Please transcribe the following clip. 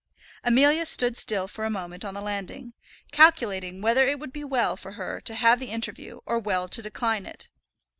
Amelia stood still for a moment on the landing, calculating whether it would be well for her to have the interview, or well to decline it.